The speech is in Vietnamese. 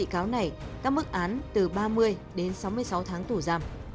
các mức án từ ba mươi đến sáu mươi sáu tháng tù giam